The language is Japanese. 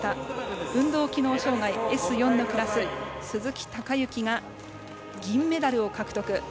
運動機能障がいＳ４のクラス鈴木孝幸が銀メダルを獲得。